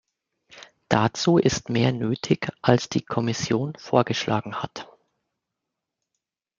Dazu ist mehr nötig, als die Kommission vorgeschlagen hat.